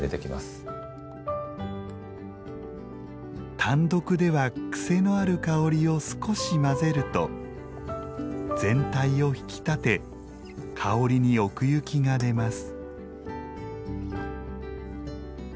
単独では癖のある香りを少し混ぜると全体を引き立て香りに奥行きが出ます。